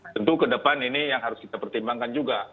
tentu ke depan ini yang harus kita pertimbangkan juga